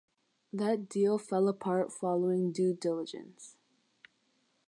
That deal fell apart following due diligence.